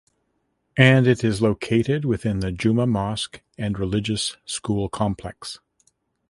And it is located within the Juma Mosque and religious school complex.